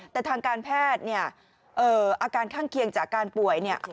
แต่ทางการแพทย์เนี่ยอาการข้างเคียงจากการป่วยเนี่ย